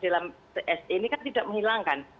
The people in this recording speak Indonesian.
dalam se ini kan tidak menghilangkan